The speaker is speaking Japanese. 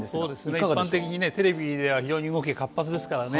一般的にテレビでは非常に動きが活発ですからね。